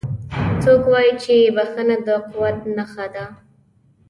څوک وایي چې بښنه د قوت نښه ده